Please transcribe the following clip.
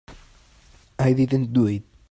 I didn't do it.